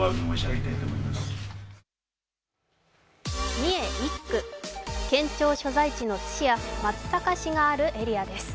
三重１区、県庁所在地・津市や松阪市があるエリアです。